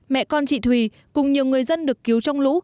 mẹ con chị thùy cùng nhiều người dân được cứu trong lũ